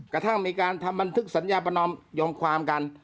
กระทั่งมีการทำบันทึกสัญญาประนอมยอมความกัน